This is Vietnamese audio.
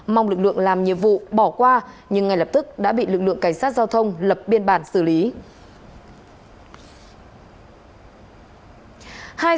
mong lực lượng làm nhiệm vụ bỏ qua nhưng ngay lập tức đã bị lực lượng cảnh sát giao thông lập biên bản xử lý